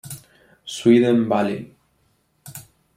Sweden Valley